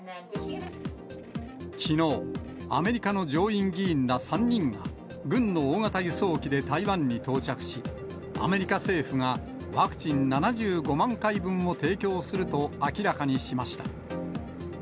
きのう、アメリカの上院議員ら３人が、軍の大型輸送機で台湾に到着し、アメリカ政府がワクチン７５万回分を提供すると明らかにしました。